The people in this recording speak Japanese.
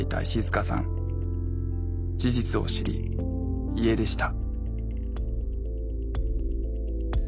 事実を知り家出した。